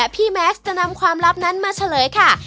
แมสจะนำความลับนั้นมาเฉลยค่ะ